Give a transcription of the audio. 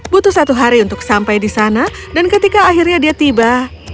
butuh satu hari untuk sampai di sana dan ketika akhirnya dia tiba